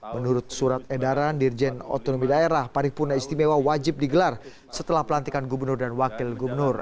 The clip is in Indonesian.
menurut surat edaran dirjen otonomi daerah paripurna istimewa wajib digelar setelah pelantikan gubernur dan wakil gubernur